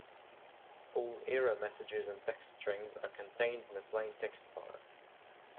All error messages and text strings are contained in a plain text file.